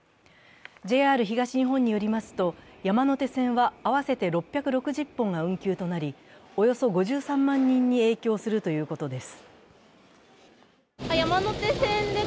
ＪＲ東日本によりますと、山手線は合わせて６６０本が運休となりおよそ５３万人に影響するということです。